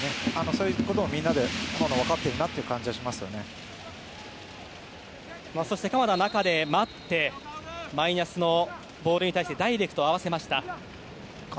そういうことをみんなで分かっているなという感じが鎌田は中で待ってマイナスのボールに対してダイレクトで合わせました。